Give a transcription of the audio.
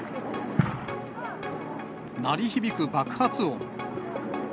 鳴り響く爆発音。